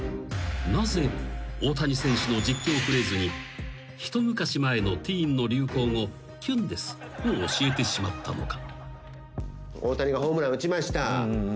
［なぜ大谷選手の実況フレーズに一昔前のティーンの流行語「きゅんです」を教えてしまったのか？］